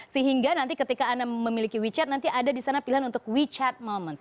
sehingga nanti ketika anda memiliki wechat nanti ada di sana pilihan untuk wechat moments